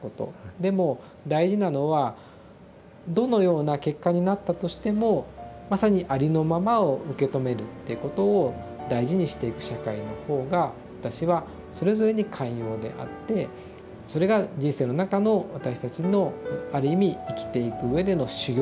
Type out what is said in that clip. でも大事なのはどのような結果になったとしてもまさにありのままを受け止めるっていうことを大事にしていく社会の方が私はそれぞれに寛容であってそれが人生の中の私たちのある意味生きていくうえでの修行なんではないかなと思ってたりします。